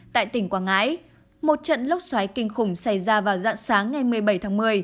tại tỉnh quảng ngãi một trận lốc xoáy kinh khủng xảy ra vào dạng sáng ngày một mươi bảy tháng một mươi